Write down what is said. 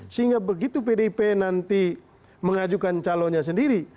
sehingga begitu pdip nanti mengajukan calonnya sendiri